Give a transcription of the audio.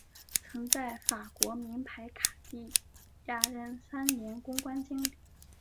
曾在法国名牌卡地亚任三年公关经理。